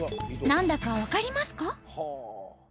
何だか分かりますか？